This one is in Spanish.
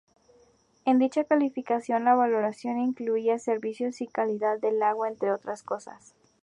En dicha calificación la valoración incluía servicios y calidad del agua entre otras cosas.